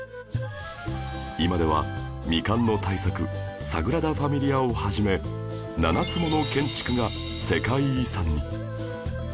今では未完の大作サグラダ・ファミリアを始め７つもの建築が世界遺産に